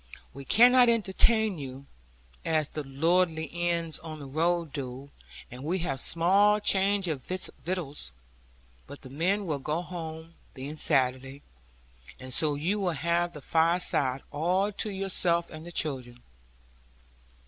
We cannot entertain you, as the lordly inns on the road do; and we have small change of victuals. But the men will go home, being Saturday; and so you will have the fireside all to yourself and the children.